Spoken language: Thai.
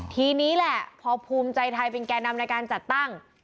ทีนี้แหละพอภูมิใจไทยเป็นแก่นำในการจัดตั้ง